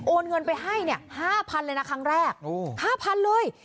เงินไปให้เนี่ย๕๐๐เลยนะครั้งแรก๕๐๐๐เลย